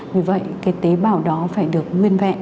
vì vậy tế bào đó phải được nguyên vẹn